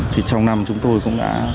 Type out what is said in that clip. trong năm chúng tôi cũng đã